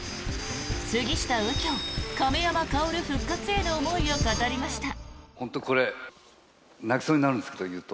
杉下右京、亀山薫復活への思いを語りました。